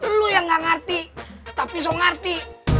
lu yang gak ngerti tapi so ngarti